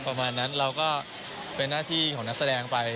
ประมาณนั้นเราก็เป็นหน้าที่ของนักแสดงไป